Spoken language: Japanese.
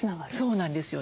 そうなんですよ。